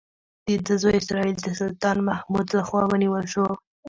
د ده زوی اسراییل د سلطان محمود لخوا ونیول شو.